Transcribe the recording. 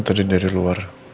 tadi dari luar